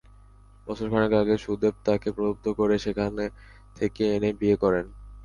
বছর খানেক আগে সুদেব তাঁকে প্রলুব্ধ করে সেখান থেকে এনে বিয়ে করেন।